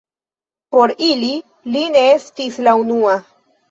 Por ili, li ne estis la unua.